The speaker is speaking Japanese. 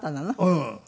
うん。